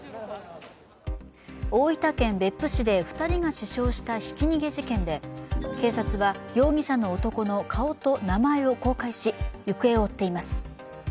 大分県別府市で２人が死傷したひき逃げ事件で警察は容疑者の男の顔と名前を公開し行方を追っています。